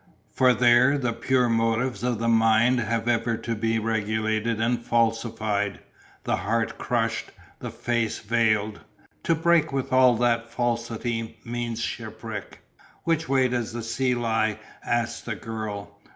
For there the pure motives of the mind have ever to be regulated and falsified, the heart crushed, the face veiled. To break with all that falsity means shipwreck. "Which way does the sea lie?" asked the girl.